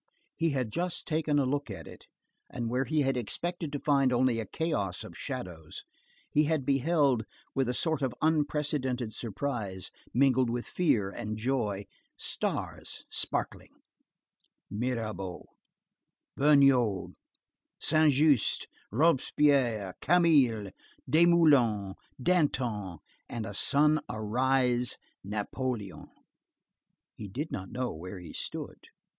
He had just taken a look at it, and where he had expected to find only a chaos of shadows, he had beheld, with a sort of unprecedented surprise, mingled with fear and joy, stars sparkling, Mirabeau, Vergniaud, Saint Just, Robespierre, Camille, Desmoulins, Danton, and a sun arise, Napoleon. He did not know where he stood.